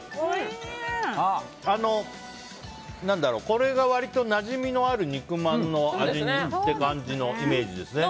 これが割となじみのある肉まんの味って感じのイメージですね。